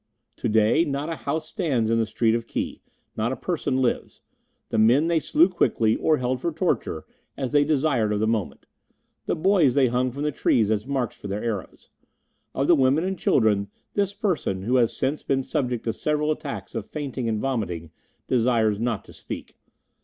To day not a house stands in the street of Ki, not a person lives. The men they slew quickly, or held for torture, as they desired at the moment; the boys they hung from the trees as marks for their arrows. Of the women and children this person, who has since been subject to several attacks of fainting and vomiting, desires not to speak.